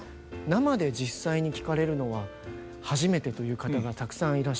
生で実際に聴かれるのは初めてという方がたくさんいらっしゃって。